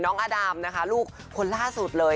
น้องอดามนะฮะลูกขนล่าสุดเลย